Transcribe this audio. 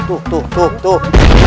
tuh tuh tuh